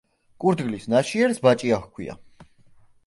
კურდღლის ნაშიერს ბაჭია ჰქვია.